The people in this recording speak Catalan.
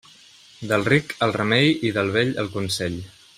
Del ric el remei i del vell el consell.